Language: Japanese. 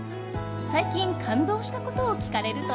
最近感動したことを聞かれると。